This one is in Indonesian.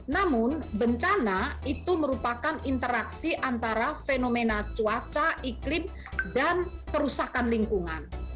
namun bencana itu merupakan interaksi antara fenomena cuaca iklim dan kerusakan lingkungan